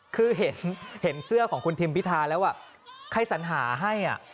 คือเห็นเสื้อของคุณทิมพิธาแล้วใครสัญหาให้